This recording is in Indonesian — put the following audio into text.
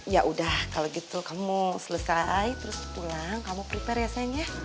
ya udah kalau gitu kamu selesai terus pulang kamu prepare ya sayang ya